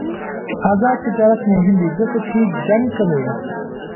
آزاد تجارت مهم دی ځکه چې جنګ کموي.